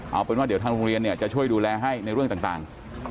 เอาเป็นว่าเดี๋ยวทางโรงเรียนจะช่วยดูแลให้ในเรื่องต่าง